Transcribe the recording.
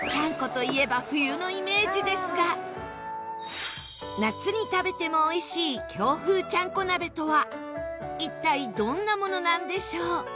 ちゃんこといえば冬のイメージですが夏に食べてもおいしい京風ちゃんこ鍋とは一体どんなものなんでしょう？